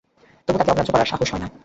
তবু তাঁকে অগ্রাহ্য করার সাহস হয় না।